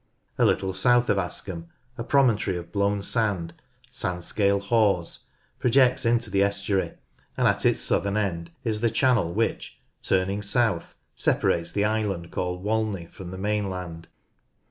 A little south of Askham a promontory of blown sand, Sandscale Hawes, projects into the estuary, and at its southern end is the channel which, turning south, ALOXG THK COAST II separates the island called Walney from the mainland.